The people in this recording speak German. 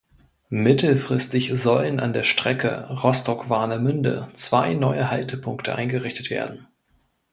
Mittelfristig sollen an der Strecke Rostock–Warnemünde zwei neue Haltepunkte eingerichtet werden.